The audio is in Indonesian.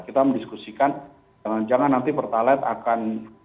kita mendiskusikan jangan jangan nanti per talet akan